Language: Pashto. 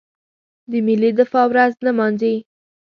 د ملي دفاع ورځ نمانځي.